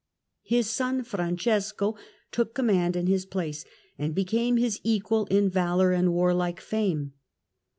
His son Fran cesco took command in his place, and became his equal in valour and warlike fame.